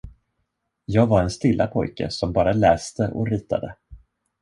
Jag var en stilla pojke som bara läste och ritade.